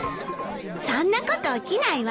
そんなこと起きないわ。